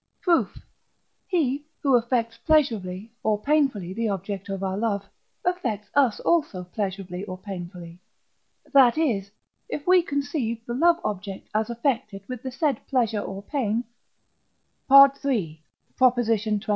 Proof. He, who affects pleasurably or painfully the object of our love, affects us also pleasurably or painfully that is, if we conceive the loved object as affected with the said pleasure or pain (III. xxi.).